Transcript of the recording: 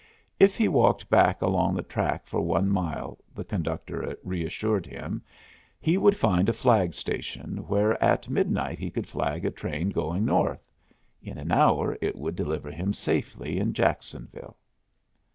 If he walked back along the track for one mile, the conductor reassured him, he would find a flag station where at midnight he could flag a train going north. In an hour it would deliver him safely in Jacksonville.